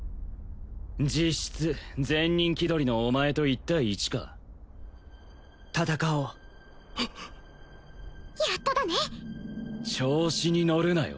実質善人気取りのお前と１対１か戦おうやっとだね調子に乗るなよ